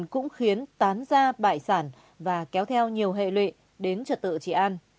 cờ bạc cũng khiến tán ra bại sản và kéo theo nhiều hệ lệ đến trật tự trị an